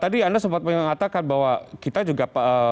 tadi anda sempat mengatakan bahwa kita juga